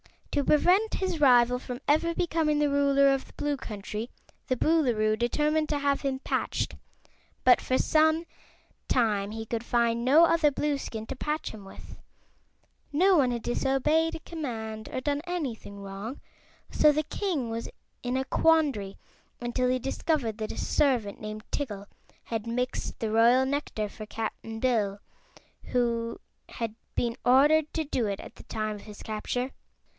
To prevent his rival from ever becoming the Ruler of the Blue Country the Boolooroo determined to have him patched, but for some time he could find no other Blueskin to patch him with. No one had disobeyed a command or done anything wrong, so the king was in a quandary until he discovered that a servant named Tiggle had mixed the royal nectar for Cap'n Bill, who had been ordered to do it at the time of his capture.